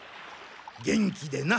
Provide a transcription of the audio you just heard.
元気でな。